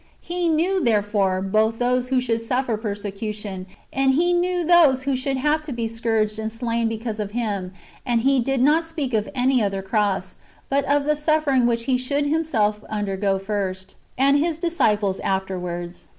^ He knew, therefore, both those who should suffer persecution, and He knew those who should have to be scourged and slain because of Him ; and He did not speak of any other cross, but of the suffering which He should Himself undergo first, and His disciples after w^ards.